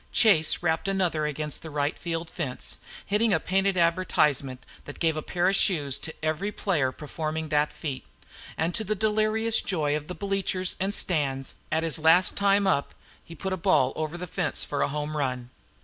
Chase rapped another against the rightfield fence, hitting a painted advertisement that gave a pair of shoes to every player performing the feat; and to the delirious joy of the bleachers and stands, at his last time up, he put the ball over the fence for a home run.